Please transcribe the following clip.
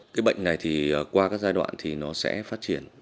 cái bệnh này thì qua các giai đoạn thì nó sẽ phát triển